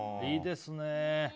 いいですね